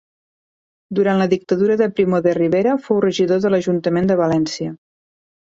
Durant la dictadura de Primo de Rivera fou regidor de l'Ajuntament de València.